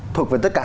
thuộc về tất cả